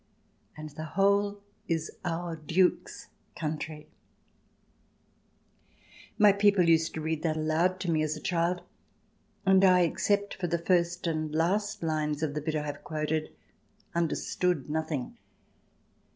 . And the whole is our Duke's country I" ■ My people used to read that aloud to me as a child, and I, except for the first and last lines of the bit I have quoted, understood nothing.